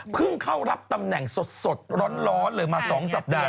เข้ารับตำแหน่งสดร้อนเลยมา๒สัปดาห์